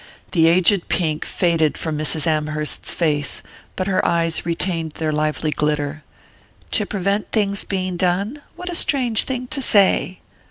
The aged pink faded from Mrs. Amherst's face, but her eyes retained their lively glitter. "To prevent things being done? What a strange thing to say!"